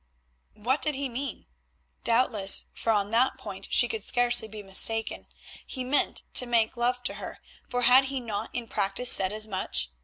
What did he mean? Doubtless, for on that point she could scarcely be mistaken, he meant to make love to her, for had he not in practice said as much?